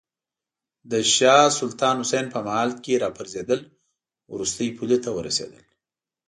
د شاه سلطان حسین په مهال کې راپرزېدل وروستۍ پولې ته ورسېدل.